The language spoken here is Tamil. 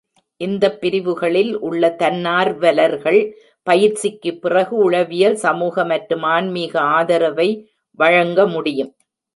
இந்த பிரிவுகளில் உள்ள தன்னார்வலர்கள், பயிற்சிக்கு பிறகு உளவியல், சமூக மற்றும் ஆன்மீக ஆதரவை வழங்க முடியும்.